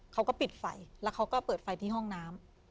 เขาก็ปิดไฟแล้วเขาก็เปิดไฟที่ห้องน้ำ